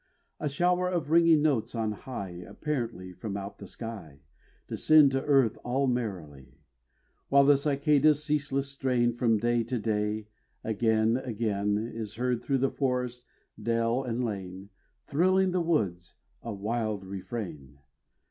A shower of ringing notes on high Apparently from out the sky, Descend to earth all merrily. While the Cicada's ceaseless strain From day to day again, again, Is heard through forest, dell, and lane, Thrilling the woods, a wild refrain.